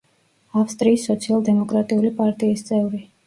ავსტრიის სოციალ-დემოკრატიული პარტიის წევრი.